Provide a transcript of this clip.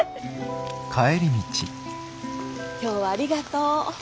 今日はありがとう。